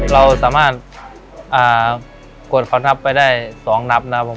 เราสามารถกดคอนทัพไปได้สองนับนะครับผม